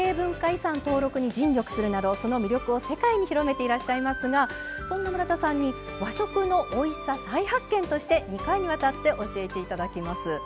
遺産登録に尽力するなどその魅力を世界に広めていらっしゃいますがそんな村田さんに「和食のおいしさ再発見！」として２回にわたって教えて頂きます。